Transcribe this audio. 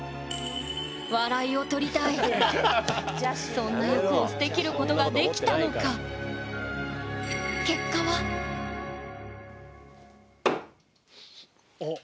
そんな欲を捨てきることができたのかおっ！